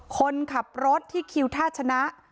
คนขับรถที่คิวท่าชนะ